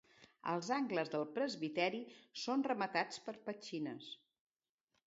Els angles del presbiteri són rematats per petxines.